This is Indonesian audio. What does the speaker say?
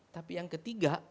tapi yang ketiga